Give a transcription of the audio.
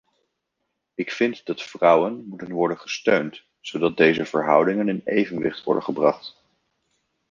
Ik vind dat vrouwen moeten worden gesteund zodat deze verhoudingen in evenwicht worden gebracht.